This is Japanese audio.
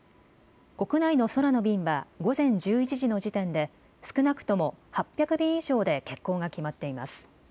国内の空の便は午前１１時の時点で少なくとも８００便以上で欠航が決まっています。